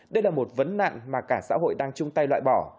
đây là một vấn nạn mà cả xã hội đang chung tay loại bỏ